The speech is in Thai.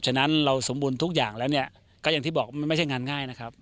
ฉะนั้นเราสมบูรณ์ทุกอย่างแล้วเนี่ยก็อย่างที่บอกมันไม่ใช่งานง่ายนะครับ